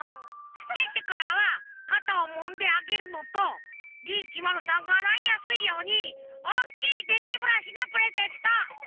シュッシュからはかたをもんであげるのとＤ１０３があらいやすいようにおっきいデッキブラシのプレゼント。